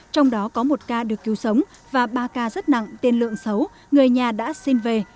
trong đó có một ca được cứu sống và ba ca rất nặng tiền lượng xấu người nhà đã xin về